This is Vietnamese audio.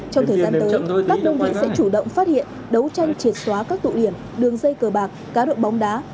trong thời gian tới các công viên sẽ chủ động phát hiện đấu tranh triệt xóa các tụ điển đường dây cờ bạc cá độ bóng đá